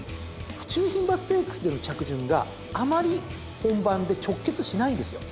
府中牝馬ステークスでの着順があまり本番で直結しないんですよ。